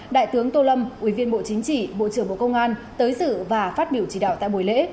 đại tướng tô lâm ủy viên bộ chính trị bộ trưởng bộ công an tới sự và phát biểu chỉ đạo tại buổi lễ